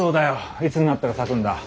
いつになったら咲くんだ？